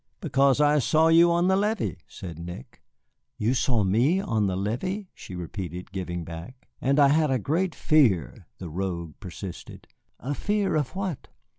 "Because I saw you on the levee," said Nick. "You saw me on the levee?" she repeated, giving back. "And I had a great fear," the rogue persisted. "A fear of what?"